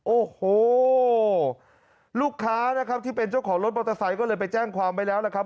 โอโหลูกค้าที่เป็นสู้ของรถปลอดศัยก็เลยไปแจ้งความไปแล้วนะครับ